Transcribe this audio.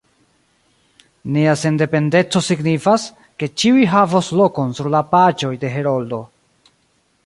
Nia sendependeco signifas, ke ĉiuj havos lokon sur la paĝoj de Heroldo.